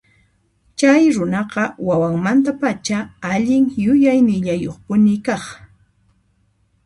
Chay runaqa wawamantapacha allin yuyaynillayuqpuni kaq.